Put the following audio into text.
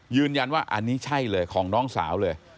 ยืนยันว่าอันนี้ใช่เลยของน้องสาวเลย